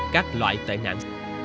các loại tài nạn